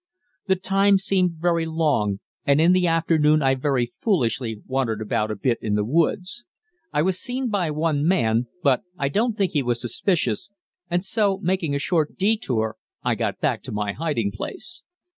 The time seemed very long, and in the afternoon I very foolishly wandered about a bit in the woods. I was seen by one man, but I don't think he was suspicious, and so making a short detour I got back to my hiding place.